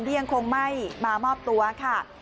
ยังคงไม่มามอบตัวค่ะ